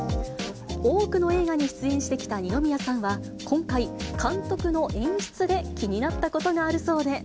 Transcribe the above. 多くの映画に出演してきた二宮さんは、今回、監督の演出で気になったことがあるそうで。